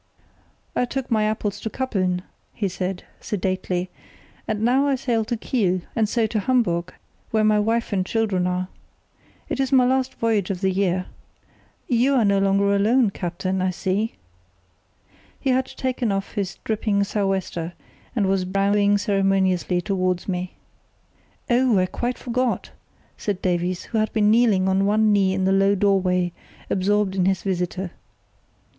"I took my apples to Kappeln," he said, sedately, "and now I sail to Kiel, and so to Hamburg, where my wife and children are. It is my last voyage of the year. You are no longer alone, captain, I see." He had taken off his dripping sou' wester and was bowing ceremoniously towards me. "Oh, I quite forgot!" said Davies, who had been kneeling on one knee in the low doorway, absorbed in his visitor.